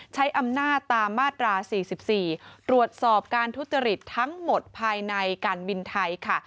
ใช้อำนาจตามมาตรา๔๔ตรวจสอบการทุจริตทั้งหมดภายในการบินไทยค่ะ